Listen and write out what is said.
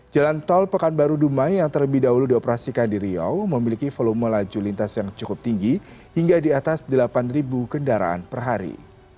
jalan tol pekanbaru dumai yang terlebih dahulu dioperasikan di riau memiliki volume laju lintas yang cukup tinggi hingga di atas delapan kendaraan per hari